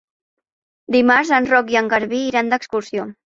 Dimarts en Roc i en Garbí iran d'excursió.